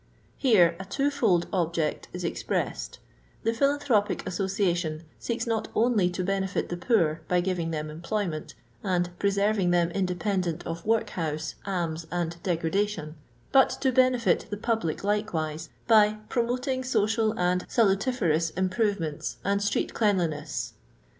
Here a twofold object is ex pressed : the Philanthropic Association seeks not only to benefit the poor by giving them employ ment, and "^ preserving them independent of weik bouse, alms, and degradation," but to benefit the public likewise, by "promoting social and salali ferous improvements and street cleanliness.